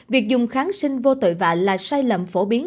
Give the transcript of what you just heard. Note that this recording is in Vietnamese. việc dùng kháng sinh vô tội vạ là sai lầm phổ biến